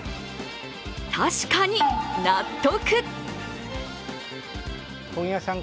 確かに、納得。